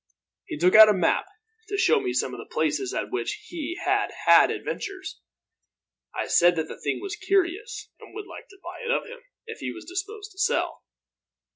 "He took out a map, to show me some of the places at which he had had adventures. I said that the thing was curious, and would buy it of him, if he was disposed to sell.